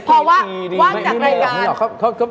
เช่นพอว่าว่างจากรายการเช่นพอว่าว่างจากรายการ